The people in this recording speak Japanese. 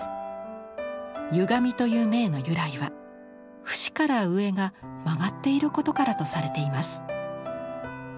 「ゆがみ」という銘の由来は節から上が曲がっていることからとされています。